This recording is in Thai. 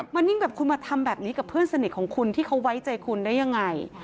มันยิ่งแบบคุณมาทำแบบนี้กับเพื่อนสนิทของคุณที่เขาไว้ใจคุณได้ยังไง